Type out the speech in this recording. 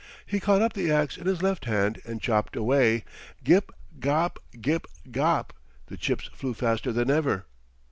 He caught up the ax in his left hand and chopped away, Gip, gop! Gip, gop! The chips flew faster than ever.